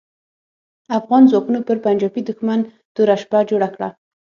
افغان ځواکونو پر پنجاپي دوښمن توره شپه جوړه کړه.